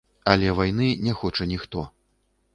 Але вайны не хоча ніхто.